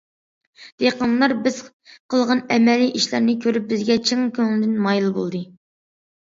دېھقانلار بىز قىلغان ئەمەلىي ئىشلارنى كۆرۈپ، بىزگە چىن كۆڭلىدىن مايىل بولدى.